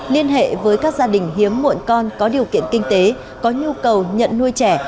liên hệ với các gia đình hiếm muộn con có điều kiện kinh tế có nhu cầu nhận nuôi trẻ